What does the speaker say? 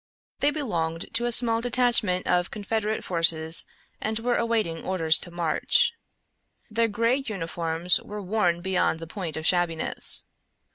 They belonged to a small detachment of Confederate forces and were awaiting orders to march. Their gray uniforms were worn beyond the point of shabbiness.